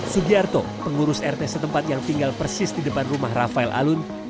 sugiarto pengurus rt setempat yang tinggal persis di depan rumah rafael alun